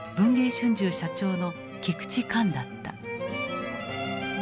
春秋社長の菊池寛だった。